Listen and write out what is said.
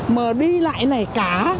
mà đi lại này cá